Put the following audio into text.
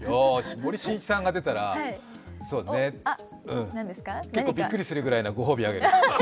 森進一さんが出たらそうね、結構びっくりするぐらいなご褒美をあげる。